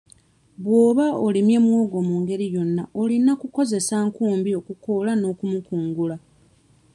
Bw'oba olimye muwogo mu ngeri yonna olina kukozesa nkumbi okukoola n'okumukungula.